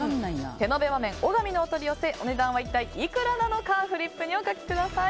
手延和麺小神のお取り寄せお値段は一体いくらなのかフリップにお書きください。